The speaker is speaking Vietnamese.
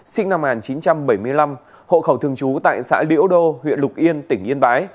sinh năm một nghìn chín trăm bảy mươi năm hộ khẩu thường trú tại xã liễu đô huyện lục yên tỉnh yên bái